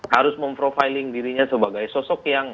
harus memprofiling dirinya sebagai sosok yang